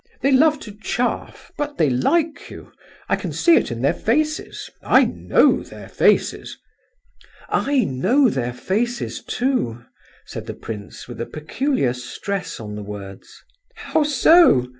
They love to chaff, but they like you. I can see it in their faces—I know their faces." "I know their faces, too," said the prince, with a peculiar stress on the words. "How so?"